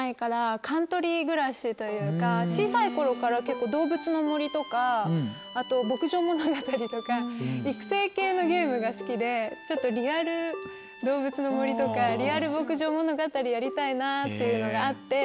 小さい頃から結構『どうぶつの森』とかあと『牧場物語』とか育成系のゲームが好きでリアル『どうぶつの森』とかリアル『牧場物語』やりたいなっていうのがあって。